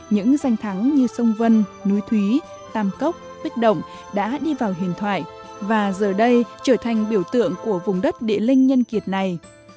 những danh thắng như sông vân núi thúy tam cốc bích động đã đi vào huyền thoại và giờ đây trở thành biểu tượng của vùng đất địa linh nhân kiệt này